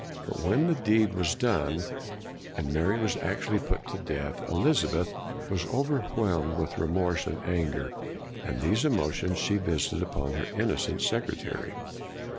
But when the deed was done, and Mary was actually put to death, Elizabeth was overwhelmed with remorse and anger, and these emotions she visited upon her innocent secretary.